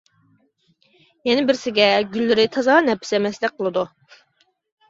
يەنە بىرسىگە گۈللىرى تازا نەپىس ئەمەستەك قىلىدۇ.